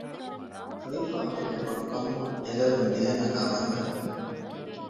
ރޮވިފައި ހުރިލެތް ބޮޑު ކަމުން ދެ ލޮލުން ދިލަ ނަގާވަރު ވެ